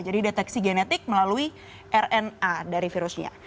jadi deteksi genetik melalui rna dari virusnya